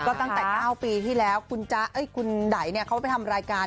ก็ตั้งแต่๙ปีที่แล้วคุณจ๊ะคุณไดเขาไปทำรายการ